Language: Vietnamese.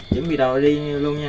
chuẩn bị đòi đi luôn nha